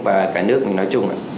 và cả nước nói chung